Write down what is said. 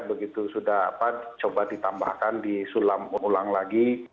begitu sudah coba ditambahkan disulam ulang lagi